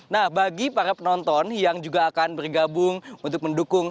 nah bagi para penonton yang juga akan bergabung untuk mendukung